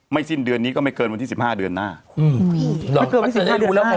ไม่สิ้นเดือนนี้ก็ไม่เกินวันที่สิบห้าเดือนหน้าไม่เกินวันที่สิบห้าเดือนหน้า